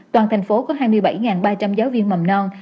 toàn thành phố có hai mươi bảy ba trăm linh giáo viên mầm non